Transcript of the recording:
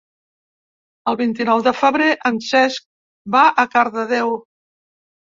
El vint-i-nou de febrer en Cesc va a Cardedeu.